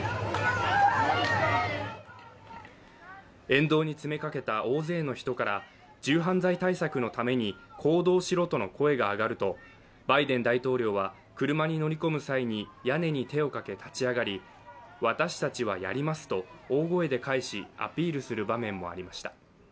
沿道に詰めかけた大勢の人から銃犯罪対策のために行動しろとの声が上がるとバイデン大統領は車に乗り込む際に屋根を手をかけ立ち上がり、私たちはやりますと、大声で返し、アピールする場面もありました。